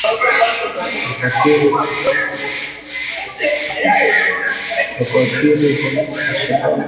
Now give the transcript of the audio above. za kuwadhibiti alShabaab ilielezewa na maafisa wa jeshi la Marekani na kijasusi